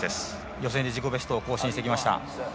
予選で自己ベストを更新してきました。